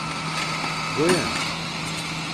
goyan